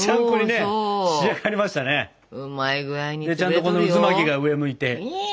でちゃんとこの渦巻きが上向いて。